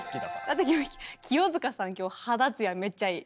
だって清塚さん今日肌つやめっちゃいい。